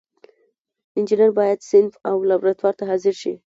انجینر باید صنف او لابراتوار ته حاضر شي.